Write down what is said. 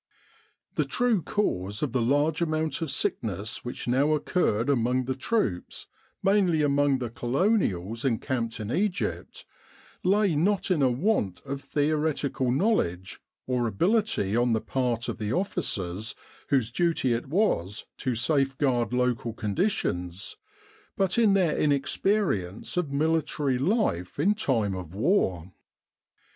The true cause of the large amount of sickness which now occurred among the troops, mainly among the Colonials encamped in Egypt, lay not in a want of theoretical knowledge or ability on the part of the officers whose duty it was to safeguard local con ditions, but in their inexperience of military life in time of war.